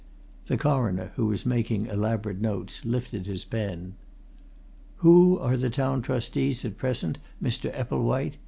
The Coroner, who was making elaborate notes, lifted his pen. "Who are the Town Trustees at present, Mr. Epplewhite?"